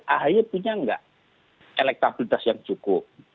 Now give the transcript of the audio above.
ahy punya nggak elektabilitas yang cukup